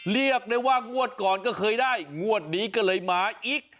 เรียกได้ว่างวดก่อนก็เคยได้งวดนี้ก็เลยมาอีก